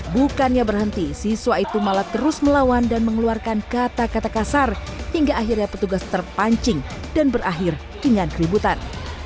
bukannya berhenti siswa itu malah terus melawan dan mengeluarkan kata kata kasar hingga akhirnya petugas terpancing dan berakhir dengan keributan